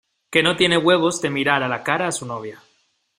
que no tiene huevos de mirar a la cara a su novia